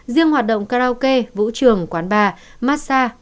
riêng hoạt động karaoke vũ trường quán bar massage